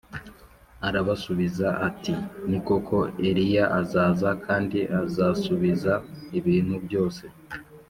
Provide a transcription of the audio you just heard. Arabasubiza ati ni koko Eliya azaza kandi azasubiza ibintu byose